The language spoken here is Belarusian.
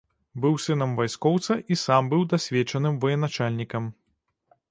Быў сынам вайскоўца, і сам быў дасведчаным ваеначальнікам.